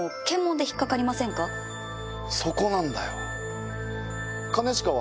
そこなんだよ。